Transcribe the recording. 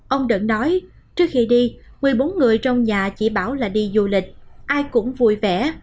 ông đẫn nói trước khi đi một mươi bốn người trong nhà chỉ bảo là đi du lịch ai cũng vui vẻ